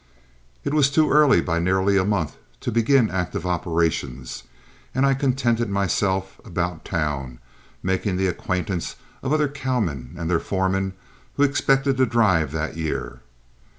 It was too early by nearly a month to begin active operations, and I contented myself about town, making the acquaintance of other cowmen and their foremen who expected to drive that year.